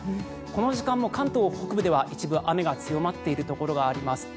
この時間も関東北部では一部、雨が強まっているところがあります。